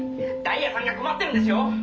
ダイヤさんが困ってるんですよ！